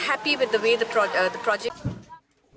jadi kami cukup senang dengan proyek ini